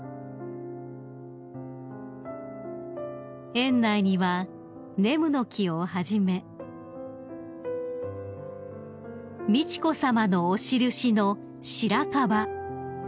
［園内にはネムノキをはじめ美智子さまのお印の］